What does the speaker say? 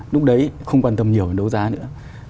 lúc đấy không quan tâm nhiều đến đấu giá nữa